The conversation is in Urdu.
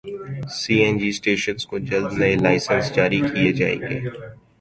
سی این جی اسٹیشنز کو جلد نئے لائسنس جاری کیے جائیں گے